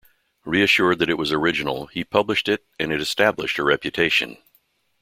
Reassured that it was original, he published it and it established her reputation.